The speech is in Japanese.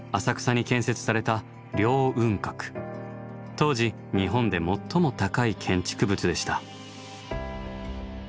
当時日本で最も高い建築物でした。